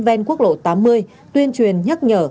ven quốc lộ tám mươi tuyên truyền nhắc nhở